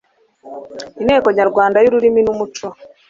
inteko nyarwanda y'ururimi n'umuco